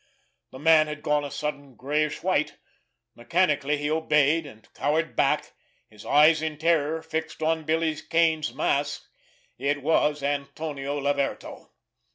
The man had gone a sudden grayish white. Mechanically he obeyed—and cowered back, his eyes in terror fixed on Billy Kane's mask. _It was Antonio Laverto.